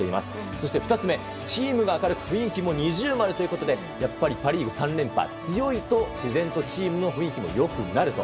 そして２つ目、チームが明るく雰囲気も二重丸ということでやっぱりパ・リーグ３連覇強いと、自然とチームの雰囲気も良くなると。